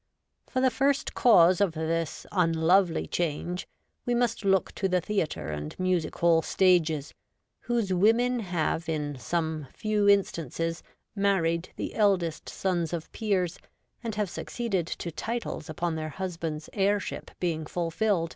For the first cause of this unlovely change we must look to the theatre and music hall stages, whose women have in some few instances married the eldest sons of peers, and have succeeded to titles upon their husbands' heirship being fulfilled.